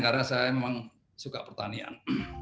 karena saya memang suka pertanian